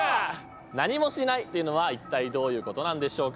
何もしないっていうのは一体どういうことなんでしょうか？